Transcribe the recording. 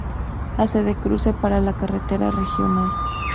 Hace de cruce para la carretera regional.